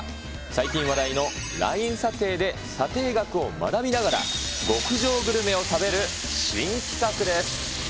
最近話題のＬＩＮＥ査定で査定額を学びながら、極上グルメを食べる新企画です。